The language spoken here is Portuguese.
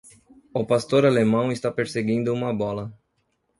O pastor alemão está perseguindo uma bola.